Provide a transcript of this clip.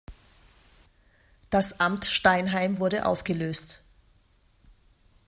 Das Amt Steinheim wurde aufgelöst.